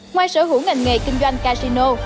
ngoài sở hữu ngành nghề kinh doanh casino